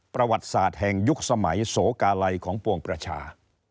ประวัติศาสตร์แห่งยุคสมัยโสกาลัยของปวงประชา